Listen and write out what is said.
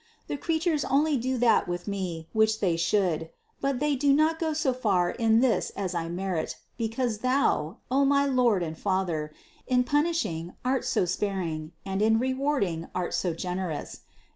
The creatures do only that with me, which they should; but they do not go so far in this as I merit, because Thou, O my Lord and Father, in punishing, art so sparing, and in rewarding art so generous.